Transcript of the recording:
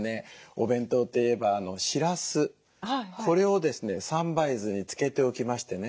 お弁当といえばしらすこれをですね３杯酢に漬けておきましてね